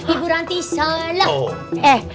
ibu ranti salah